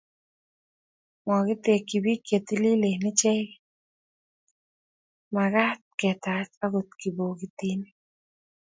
Makitekchi biik chetililen ichekei, makaat ketach akot kibokitinik